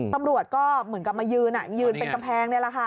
ตำรวจก็เหมือนกับมายืนยืนกับแกปงนี้แหละค่ะ